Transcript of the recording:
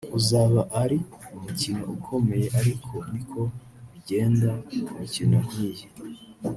uzaba ari umukino ukomeye ariko niko bigenda mu mikino nk’iyi